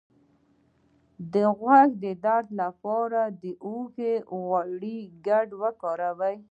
د غوږ د درد لپاره د هوږې او غوړیو ګډول وکاروئ